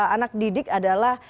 anak didik adalah